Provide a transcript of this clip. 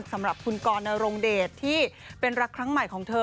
สำหรับคุณกรนรงเดชที่เป็นรักครั้งใหม่ของเธอ